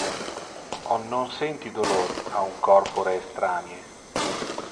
On non senti dolor a un corpore estranie.